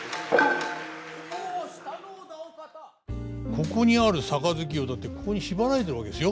ここにある盃をだって縛られてるわけですよ。